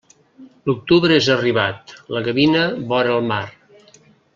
L'octubre és arribat, la gavina vora la mar.